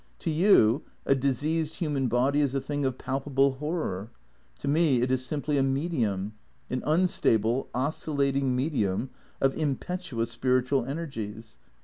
To you a diseased human body is a thing of pal pable horror. To me it is simply a medium, an unstable, oscil lating medium of impetuous spiritual energies.